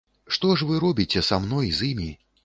Што ж вы робіце са мной, з імі?